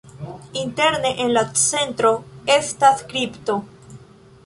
Interne en la centro estas kripto.